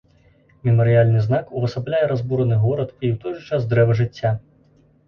Мемарыяльны знак увасабляе разбураны горад і ў той жа час дрэва жыцця.